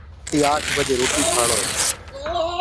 رآتي آٺ بجي روٽيٚ ڪآڻوئي